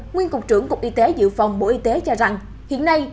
nguyên cục trưởng cục y tế dự phòng bộ y tế cho rằng hiện nay